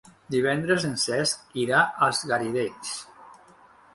Divendres en Cesc irà als Garidells.